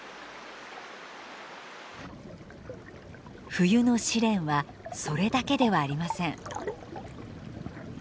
冬の試練はそれだけではありません。